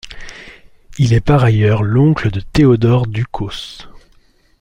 Il est par ailleurs l'oncle de Théodore Ducos.